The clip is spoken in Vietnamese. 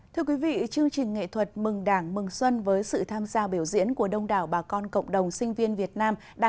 thưa quý vị chương trình nghệ thuật mừng đảng mừng xuân với sự tham gia biểu diễn của đông đảo bà con cộng đồng sinh viên việt nam